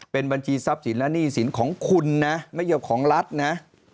เป็นบัญชีทรัพย์สินและหนี้สินของคุณนะไม่ใช่ของรัฐนะ